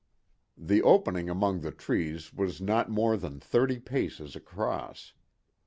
The opening among the trees was not more than thirty paces across.